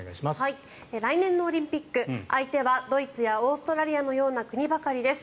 来年のオリンピック相手はドイツやオーストラリアのような国ばかりです。